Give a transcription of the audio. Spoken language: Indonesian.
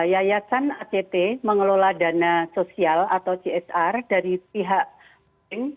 yayasan act mengelola dana sosial atau csr dari pihak asing